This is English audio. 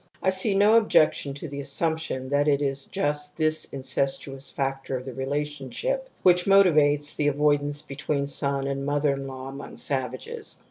I see no objection to the assumption that it is just this incestuous factor of the relationship which motivates the avoidance between son and mother in law among savages.